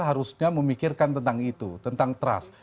harusnya memikirkan tentang itu tentang trust